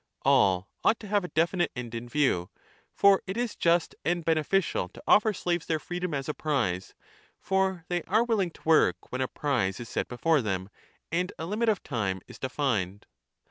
All ought to have 15 a definite end in view ; for it is just and beneficial to offer slaves their freedom as a prize, for they are willing to work when a prize is set before them and a limit of time is defined.